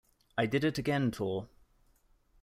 I Did It Again Tour.